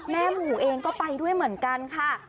แม่หมู่เองก็ไปด้วยเหมือนกันค่ะ